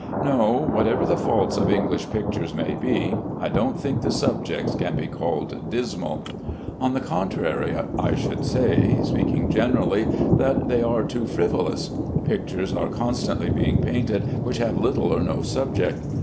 No; whatever the faults of English pictures may be, I don't think the subjects can be called dismal. On the contrary, I should say, speaking generally, that they are too frivolous. Pictures are continually being painted which have little or no subject.